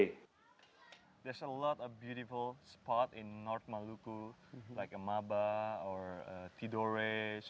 pertanyaannya apakah ini tempat yang menyukai terkait karma belaka di ternate